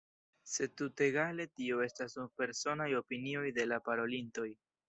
Sed tutegale tio estas nur personaj opinioj de la parolintoj.